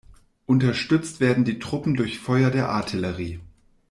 Unterstützt werden die Truppen durch Feuer der Artillerie.